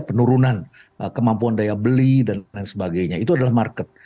penurunan kemampuan daya beli dan lain sebagainya itu adalah market